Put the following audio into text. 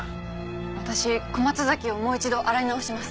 私小松崎をもう一度洗い直します。